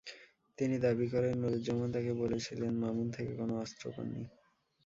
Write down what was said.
তিনি দাবি করেন, নুরুজ্জামান তাঁকে বলেছিলেন মামুন থেকে কোনো অস্ত্র পাননি।